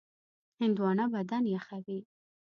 هندوانه بدن یخوي.